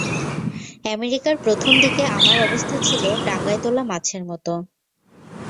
আমেরিকায় প্রথম দিকে আমার অবস্থা ছিল ডাঙায় তোলা মাছের মত।